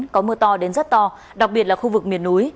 có mưa to đến rất to đặc biệt là khu vực miền núi